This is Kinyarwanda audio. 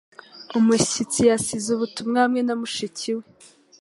Umushyitsi yasize ubutumwa hamwe na mushiki we.